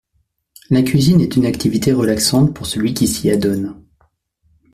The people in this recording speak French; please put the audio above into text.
La cuisine est une activité relaxante pour celui qui s’y adonne.